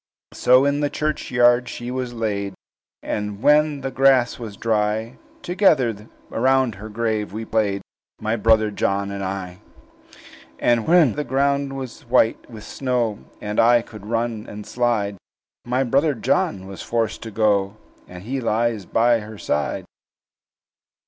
"So in the churchyard she was laid; And when the grass was dry, Together round her grave we played, My brother John and I. "And when the ground was white with snow, And I could run and slide, My brother John was forced to go, And he lies by her side."